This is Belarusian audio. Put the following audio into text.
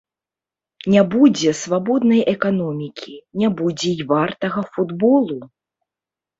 Не будзе свабоднай эканомікі, не будзе і вартага футболу.